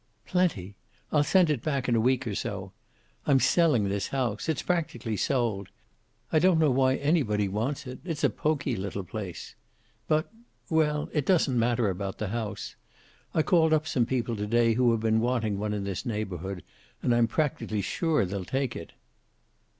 "Plenty. I'll send it back in a week or so. I'm selling this house. It's practically sold. I don't know why anybody wants it. It's a poky little place. But well, it doesn't matter about the house. I called up some people to day who have been wanting one in this neighborhood and I'm practically sure they'll take it."